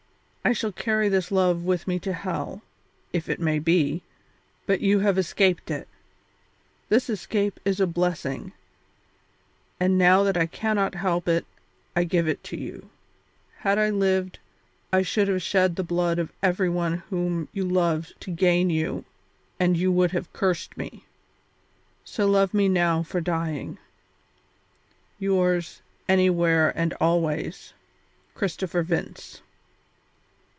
I shall carry this love with me to hell, if it may be, but you have escaped it. This escape is a blessing, and now that I cannot help it I give it to you. Had I lived, I should have shed the blood of every one whom you loved to gain you and you would have cursed me. So love me now for dying. "Yours, anywhere and always, CHRISTOPHER VINCE."